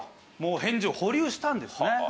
返事を保留したんですね。